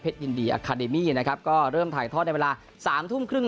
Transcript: ยินดีอาคาเดมี่นะครับก็เริ่มถ่ายทอดในเวลาสามทุ่มครึ่ง